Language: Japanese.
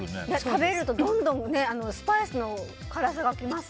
食べるとどんどんスパイスの辛さがきます。